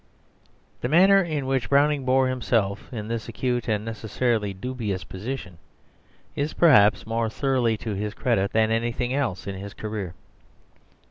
The manner in which Browning bore himself in this acute and necessarily dubious position is, perhaps, more thoroughly to his credit than anything else in his career.